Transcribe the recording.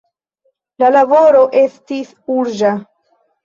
La laboro estis urĝa.